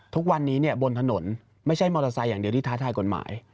ทุกวันนี้บนถนนไม่ใช่มอเตอร์ไซค์อย่างเดียวที่ท้าทายกฎหมาย